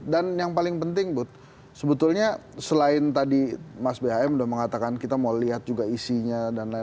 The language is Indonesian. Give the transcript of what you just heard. dan yang paling penting but sebetulnya selain tadi mas beaem udah mengatakan kita mau lihat juga isinya